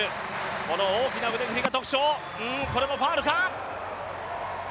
この大きな腕の振りが特徴、これもファウルか？